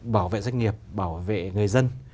bảo vệ doanh nghiệp bảo vệ người dân